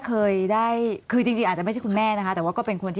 เคยได้คือจริงอาจจะไม่ใช่คุณแม่นะคะแต่ว่าก็เป็นคนที่